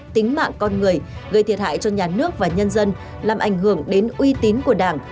tính mạng con người gây thiệt hại cho nhà nước và nhân dân làm ảnh hưởng đến uy tín của đảng